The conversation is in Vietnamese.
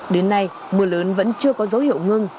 đến nay mưa lớn vẫn chưa có dấu hiệu ngưng